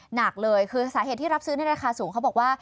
หนักเลยคือสาเหตุที่รับซื้อในราคาสูงเขาบอกว่า